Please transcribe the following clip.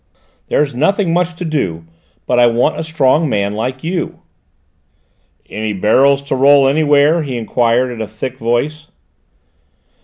"There's nothing much to do, but I want a strong man like you." "Any barrels to roll anywhere?" he enquired in a thick voice.